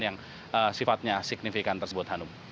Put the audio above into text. yang sifatnya signifikan tersebut hanum